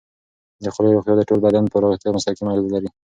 د خولې روغتیا د ټول بدن پر روغتیا مستقیمه اغېزه لري.